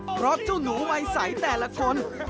เพราะเจ้าหนูวัยใสแต่ละคน